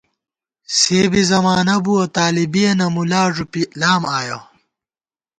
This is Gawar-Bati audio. سےبی زمانہ بُوَہ، طالِبِیَنہ مُلا ݫُپی لام آیَہ